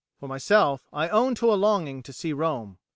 For myself I own to a longing to see Rome.